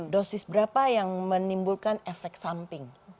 dosis berapa yang menimbulkan efek samping